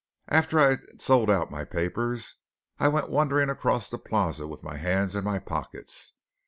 After I had sold out my papers I went wandering across the Plaza with my hands in my pockets.